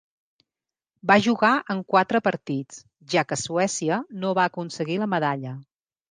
Va jugar en quatre partits ja que Suècia no va aconseguir la medalla.